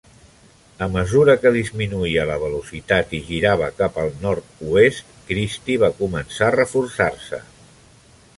A mesura que disminuïa la velocitat i girava cap al nord-oest, Kristy va començar a reforçar-se.